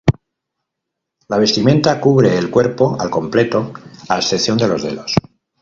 La vestimenta cubre el cuerpo al completo a excepción de los dedos.